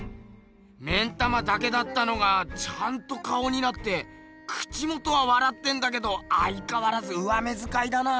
目ん玉だけだったのがちゃんと顔になって口元はわらってんだけどあいかわらず上目づかいだな。